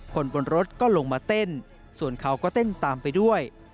คนบนรถก็ลงมาเต้นส่วนเขาก็เต้นตามไปด้วย